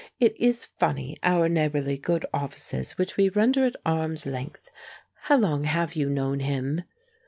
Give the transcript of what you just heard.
It is funny our neighborly good offices which we render at arm's length. How long have you known him?"